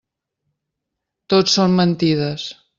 Tot són mentides.